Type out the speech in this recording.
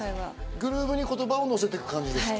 グルーヴに言葉をのせていく感じですか。